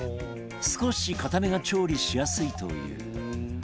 少し硬めが調理しやすいという